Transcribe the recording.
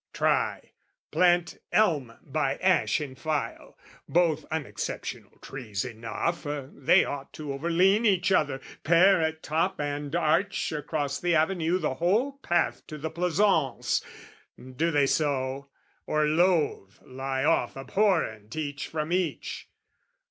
Try plant elm by ash in file; Both unexceptionable trees enough, They ought to overlean each other, pair At top and arch across the avenue The whole path to the pleasaunce: do they so Or loathe, lie off abhorrent each from each?